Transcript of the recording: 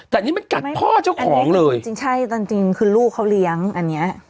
แต่นี่มันกัดพ่อเจ้าของเลยจริงใช่ตอนจริงคือลูกเขาเลี้ยงอันเนี้ย